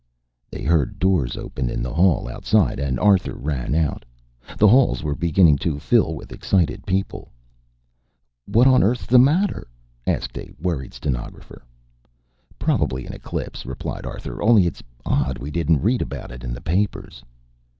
They heard doors open in the hall outside, and Arthur ran out. The halls were beginning to fill with excited people. "What on earth's the matter?" asked a worried stenographer. "Probably an eclipse," replied Arthur. "Only it's odd we didn't read about it in the papers."